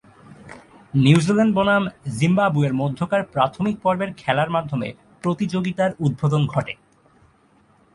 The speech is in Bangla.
নিউজিল্যান্ড বনাম জিম্বাবুয়ের মধ্যকার প্রাথমিক পর্বের খেলার মাধ্যমে প্রতিযোগিতার উদ্বোধন ঘটে।